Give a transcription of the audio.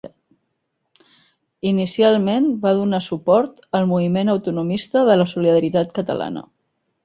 Inicialment va donar suport al moviment autonomista de la Solidaritat Catalana.